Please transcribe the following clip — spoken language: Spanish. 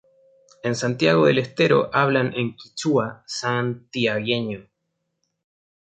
En Santiago del Estero hablan el quichua santiagueño.